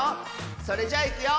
それじゃいくよ！